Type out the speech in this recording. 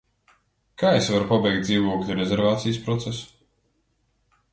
Kā es varu pabeigt dzīvokļa rezervācijas procesu?